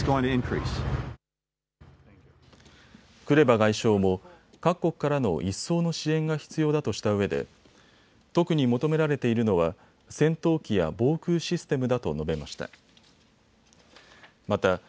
クレバ外相も各国からの一層の支援が必要だとしたうえで特に求められているのは戦闘機や防空システムだと述べました。